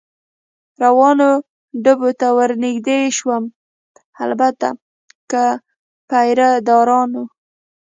روانو ډبو ته ور نږدې شوم، البته که پیره دارانو.